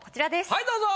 はいどうぞ。